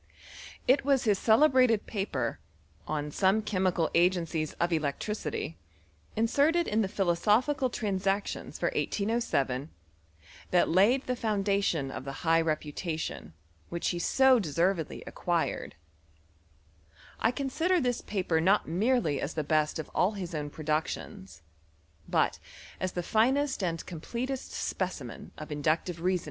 It was his celebrated paper " On some Agencies of Electricity," inserted in the phical Transactions for 1807, that laid the tion of the high reputation which he so d acquired. I consider this paper not mere best of all his own productions, but as the i completest specimen of inductive reason!